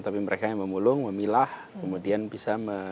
tapi mereka yang memulung memilah kemudian bisa